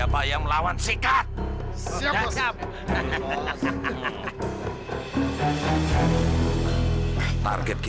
kalian perangin ini